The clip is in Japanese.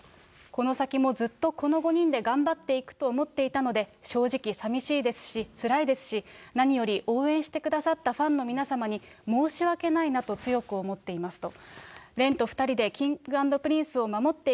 この先もずっとこの５人で頑張っていくと思っていたので、正直さみしいですし、つらいですし、何より応援してくださったファンの皆様に申し訳ないなと強く思っていますと。